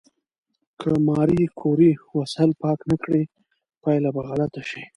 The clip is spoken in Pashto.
که ماري کوري وسایل پاک نه کړي، پایله به غلطه شي.